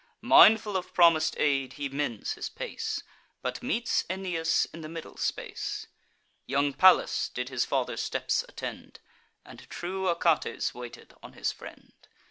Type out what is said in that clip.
Mindful of promis'd aid, he mends his pace, But meets Aeneas in the middle space. Young Pallas did his father's steps attend, And true Achates waited on his friend.